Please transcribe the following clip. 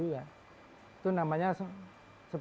kalau yang cerita cerita dari yang dulu ya